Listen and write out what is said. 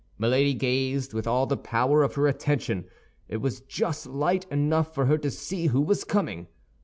Milady gazed with all the power of her attention; it was just light enough for her to see who was coming.